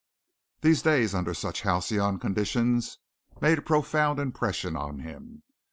These days, under such halcyon conditions, made a profound impression on him.